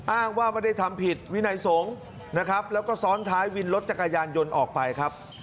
อ้างว่าไม่ได้ทำผิดวินัยสงฆ์นะครับแล้วก็ซ้อนท้ายวินรถจักรยานยนต์ออกไปครับ